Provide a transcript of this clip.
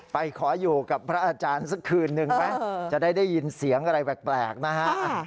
ไปขออยู่กับพระอาจารย์สักคืนหนึ่งไหมจะได้ได้ยินเสียงอะไรแปลกนะฮะ